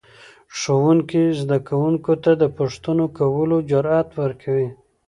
ښوونکی زده کوونکو ته د پوښتنو کولو جرأت ورکوي